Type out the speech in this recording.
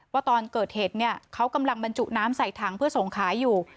ว่าตอนเกิดเหตุเขากำลังบรรจุน้ำใส่ถังเพื่อส่งขายอยู่